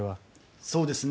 そうですね。